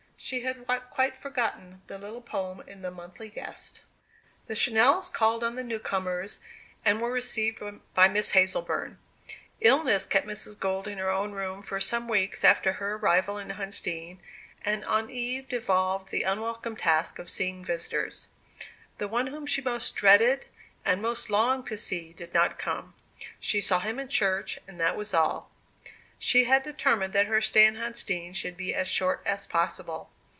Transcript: She had quite forgotten the little poem in the Monthly Guest. The Channells called on the new comers, and were received by Miss Hazleburn. Illness kept Mrs. Gold in her own room for some weeks after her arrival in Huntsdean, and on Eve devolved the unwelcome task of seeing visitors. The one whom she most dreaded and most longed to see did not come. She saw him in church, and that was all. She had determined that her stay in Huntsdean should be as short as possible.